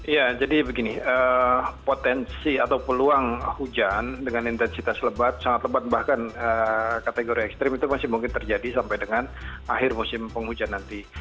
ya jadi begini potensi atau peluang hujan dengan intensitas lebat sangat lebat bahkan kategori ekstrim itu masih mungkin terjadi sampai dengan akhir musim penghujan nanti